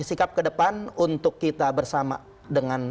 sikap ke depan untuk kita bersama dengan